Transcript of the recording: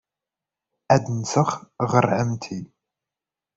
Ad nseɣ ɣer ɛemmti.